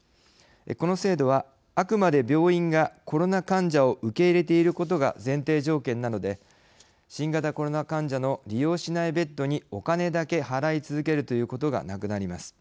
この制度は、あくまで病院がコロナ患者を受け入れていることが前提条件なので新型コロナ患者の利用しないベッドにお金だけ払い続けるということがなくなります。